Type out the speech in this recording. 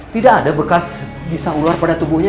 tidak ada bekas bisa ular pada tubuhnya